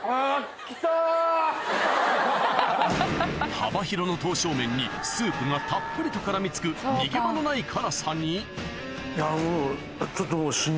幅広の刀削麺にスープがたっぷりと絡み付く逃げ場のない辛さにいやもうちょっと。